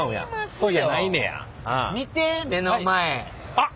あっ！